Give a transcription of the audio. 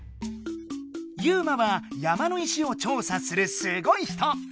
ユウマは山の石を調査するすごい人。